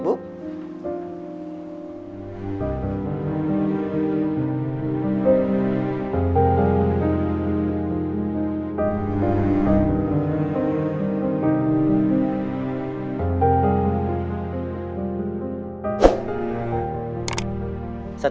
dia merasa sakit